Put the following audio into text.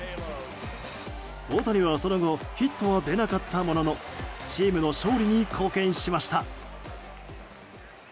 大谷はその後ヒットは出なかったもののチームの勝利に貢献しました。